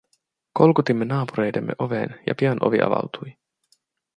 Kolkutimme naapureidemme oveen, ja pian ovi avautui.